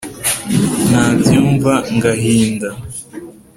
Nabyumva ngahinda